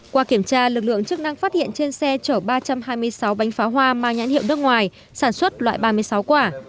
qua kiểm tra lực lượng chức năng phát hiện trên xe chở ba trăm hai mươi sáu bánh pháo hoa mang nhãn hiệu nước ngoài sản xuất loại ba mươi sáu quả